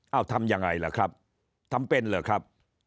เอาทำยังไงล่ะครับทำเป็นเหรอครับ